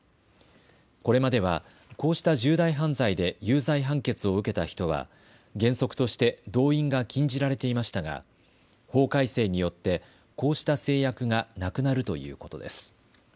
これまではこうした重大犯罪で有罪判決を受けた人は原則として動員が禁じられていましたが法改正によっててこうした制約がなくなるということです。